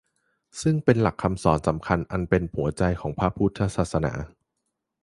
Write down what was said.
ซึ่งเป็นหลักคำสอนสำคัญอันเป็นหัวใจของพระพุทธศาสนา